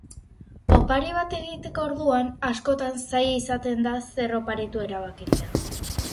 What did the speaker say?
Opari bat egiteko orduan, askotan zaila izaten da zer oparitu erabakitzea.